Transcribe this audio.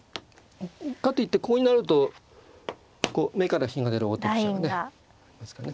かといってここに成ると「目から火が出る王手飛車」がねありますからね。